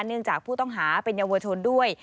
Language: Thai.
เนื่องจากผู้ต้องหาเป็นเยาวชนด้วย